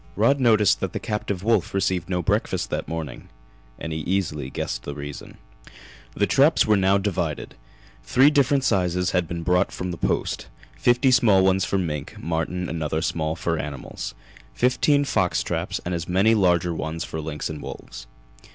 Rod noticed that the captive wolf received no breakfast that morning, and he easily guessed the reason. The traps were now divided. Three different sizes had been brought from the Post fifty small ones for mink, marten and other small fur animals; fifteen fox traps, and as many larger ones for lynx and wolves.